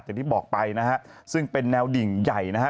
อย่างที่บอกไปนะฮะซึ่งเป็นแนวดิ่งใหญ่นะฮะ